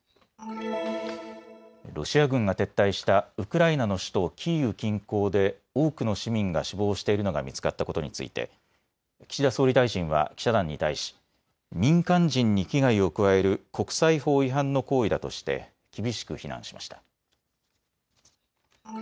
ロシア軍が撤退したウクライナの首都キーウ近郊で多くの市民が死亡しているのが見つかったことについて岸田総理大臣は記者団に対し民間人に危害を加える国際法違反の行為だとして厳しく非難しました。